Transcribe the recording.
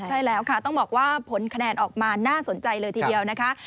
ใช่แล้วค่ะต้องบอกว่าผลคะแนนออกมาน่าสนใจเลยทีเดียวนะคะ